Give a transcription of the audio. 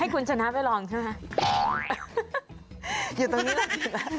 ให้คุณชนะไปลองใช่ไหม